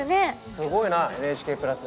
すごいなＮＨＫプラス！